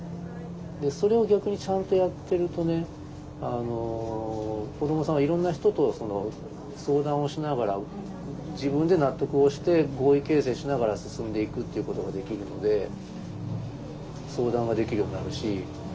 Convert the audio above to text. それを逆にちゃんとやってるとね子どもさんはいろんな人と相談をしながら自分で納得をして合意形成しながら進んでいくっていうことができるので相談ができるようになるし。